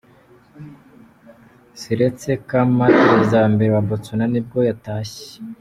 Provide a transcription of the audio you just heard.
Seretse Khama, perezida wa mbere wa Botswana nibwo yatashye.